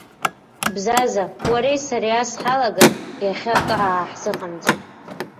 Бзаза, уареи сареи ас ҳалагар иахьа акы ааҳзыҟамҵеит.